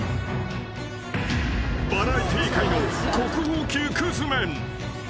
［バラエティー界の国宝級くずメン］